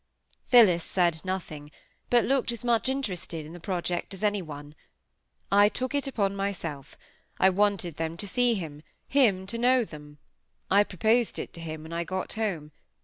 Phillis said nothing, but looked as much interested in the project as any one. I took it upon myself. I wanted them to see him; him to know them. I proposed it to him when I got home.